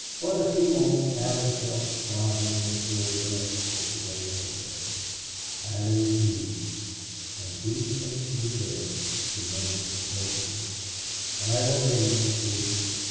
What a tumult Allie felt throbbing in the full breast where she laid her head. "Allie Lee!... and he thinks you dead," she murmured, brokenly. "I will bring him to you."